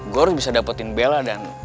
gue harus bisa dapetin bela dan